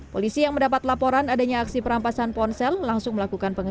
polisi yang mendapat laporan adanya aksi perampasan ponsel langsung melakukan penyelidikan